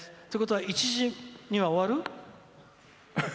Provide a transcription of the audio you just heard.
ということは１時には終わる？